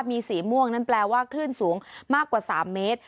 มีสีม่วงนั้นแปลว่าคลื่นสูงมากกว่า๓เมตร